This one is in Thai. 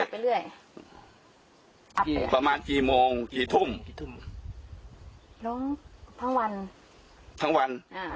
ขยับไปเรื่อยประมาณกี่โมงกี่ทุ่มทั้งวันทั้งวัน